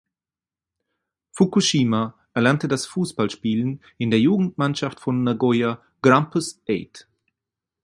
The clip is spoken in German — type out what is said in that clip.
Fukushima erlernte das Fußballspielen in der Jugendmannschaft von Nagoya Grampus Eight.